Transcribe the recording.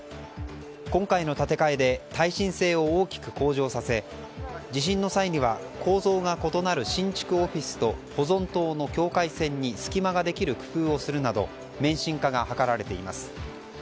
今回の建て替えで耐震性を大きく向上させ地震の際には構造が異なる新築オフィスと保存棟の境界線に隙間ができる工夫をするなど免震化が図られています。